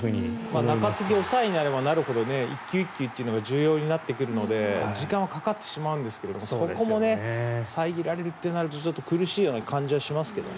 中継ぎ、抑えになればなるほど１球１球が重要になってくるので時間はかかってしまうんですがそこもさえぎられてしまうとなるとちょっと苦しいような感じはしますけどね。